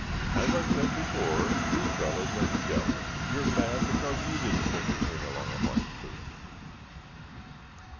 "As I said before, you fellows are jealous. You're mad because you didn't think to bring along a white suit."